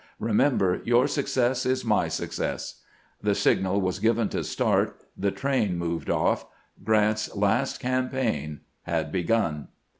Remember, your success is my success." The signal was given to start; the train moved off; Grant's last campaign had begun.